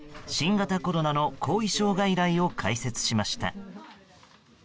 新型コロナの後遺症外来を開設しました。